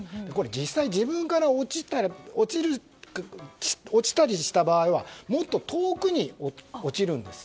実際自分から落ちたりした場合はもっと遠くに落ちるんです。